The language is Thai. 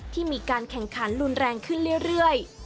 ที่มีการแข่งขันรุนแรงขึ้นเรื่อย